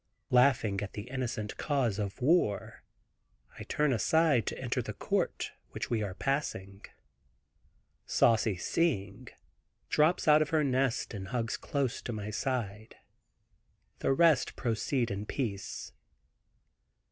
Laughing at the innocent cause of war I turn aside to enter the court, which we are passing. Saucy seeing, drops out of her nest and hugs close to my side; the rest proceed in peace.